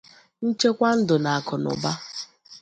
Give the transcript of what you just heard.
nchekwa ndụ na akụnụba